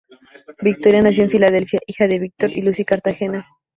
Victoria nació en Filadelfia, hija de Víctor y Lucy Cartagena.